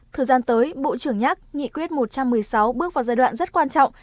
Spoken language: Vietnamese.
thời gian tới bộ trưởng nhắc nghị quyết một trăm một mươi sáu bước vào giai đoạn rất quan trọng